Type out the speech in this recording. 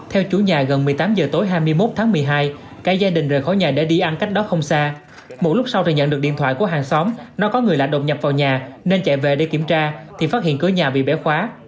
theo chủ nhà gần một mươi tám h tối hai mươi một tháng một mươi hai cả gia đình rời khỏi nhà để đi ăn cách đó không xa một lúc sau thì nhận được điện thoại của hàng xóm nó có người lạ độc nhập vào nhà nên chạy về để kiểm tra thì phát hiện cửa nhà bị bẻ khóa